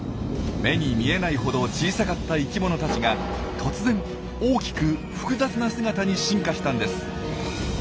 目に見えないほど小さかった生きものたちが突然大きく複雑な姿に進化したんです。